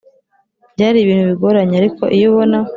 byari ibintu bigoranye ariko iyo ubona